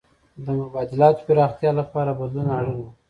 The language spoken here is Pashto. د مبادلاتو د پراختیا لپاره بدلون اړین و.